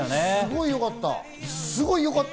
すごいよかった。